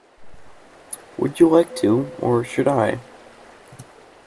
Would you like to, or should I?